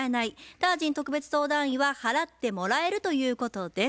タージン特別相談員は「払ってもらえる」ということです。